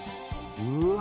うわ